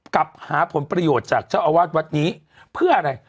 กับหาผลประโยชน์จากเจ้าอาวาสวัดนี้เพื่ออะไร